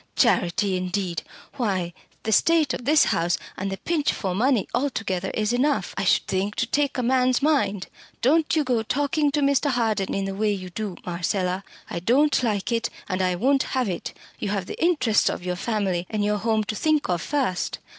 Charity, indeed! Why, the state of this house and the pinch for money altogether is enough, I should think, to take a man's mind. Don't you go talking to Mr. Harden in the way you do, Marcella. I don't like it, and I won't have it. You have the interests of your family and your home to think of first."